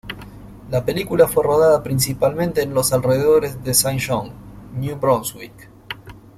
La película fue rodada principalmente en los alrededores de Saint John, New Brunswick.